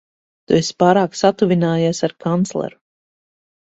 Tu esi pārāk satuvinājies ar kancleru.